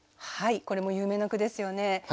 これも有名な句ですよね。